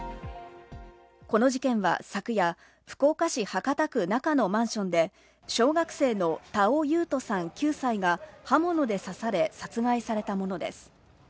この事件は昨夜、福岡市博多区那珂のマンションで小学生の田尾勇人さん、９歳が刃物で刺され殺害されたものです。